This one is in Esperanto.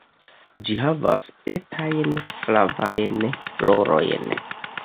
Ĝi havas etajn flavajn florojn.